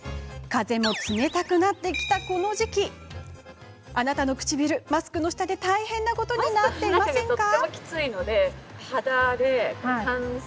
風も冷たくなったこの時期あなたの唇、マスクの下で大変なことになっていませんか？